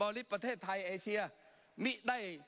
ปรับไปเท่าไหร่ทราบไหมครับ